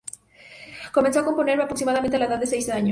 Comenzó a componer aproximadamente a la edad de seis años.